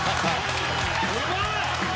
「うまい！」